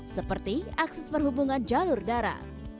seperti akses perhubungan jalur darat